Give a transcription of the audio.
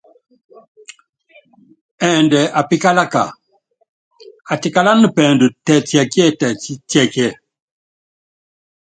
Ɛɛndɛ apíkálaka, atíkálána pɛɛdu tɛtiɛkíɛtɛtiɛkiɛ.